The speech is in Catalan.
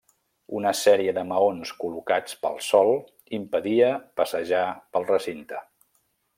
Una sèrie de maons col·locats pel sòl impedia passejar pel recinte.